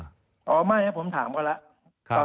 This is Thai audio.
หรือไม่นะผมถามก็แล้ว